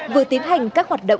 vừa tiến hành các hoạt động